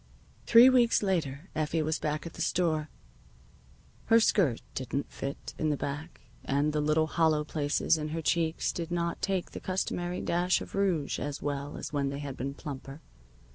Three weeks later Effie was back at the store. Her skirt didn't fit in the back, and the little hollow places in her cheeks did not take the customary dash of rouge as well as when they had been plumper.